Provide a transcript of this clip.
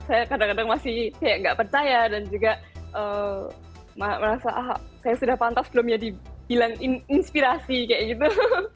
saya kadang kadang masih kayak nggak percaya dan juga merasa ah saya sudah pantas belum ya dibilang inspirasi kayak gitu